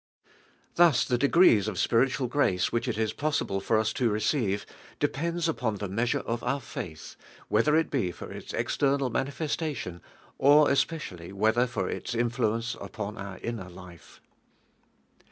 Thus the degrees of spirit ual grace whirl] il ig possible for ns to receive depends upon, the measure of our f;ii(h, wlieiheritiie.for. its external mani festation, of especially whether lor. its in fluence upon our inner life.